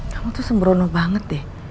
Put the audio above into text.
kamu tuh sembrono banget deh